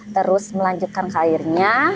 terus melanjutkan karirnya